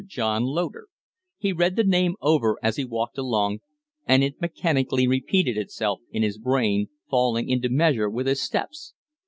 John Loder!" He read the name over as he walked along, and it mechanically repeated itself in his brain falling into measure with his steps.